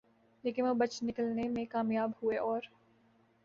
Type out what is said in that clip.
لیکن وہ بچ نکلنے میں کامیاب ہوئے اور